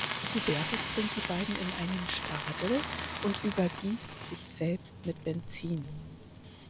Hubertus bringt die beiden in einen Stadel und übergießt sich selbst mit Benzin.